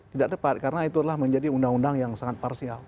tidak tepat karena itulah menjadi undang undang yang sangat parsial